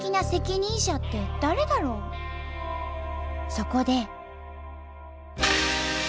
そこで。